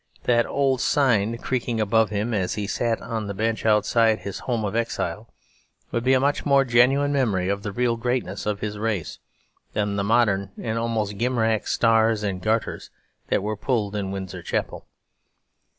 That old sign creaking above him as he sat on the bench outside his home of exile would be a much more genuine memory of the real greatness of his race than the modern and almost gimcrack stars and garters that were pulled in Windsor Chapel.